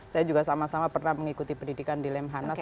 saya juga sama sama pernah mengikuti pendidikan di lemhanas